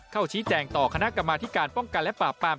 เข้าชี้แจงต่อคณะกรรมาธิการป้องกันและปราบปราม